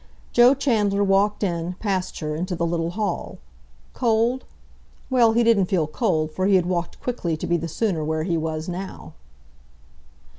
Joe Chandler walked in, past her, into the little hall. Cold? Well, he didn't feel cold, for he had walked quickly to be the sooner where he was now.